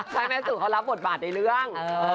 ใช่แม่สู่เขารับบทบาทในเรื่อง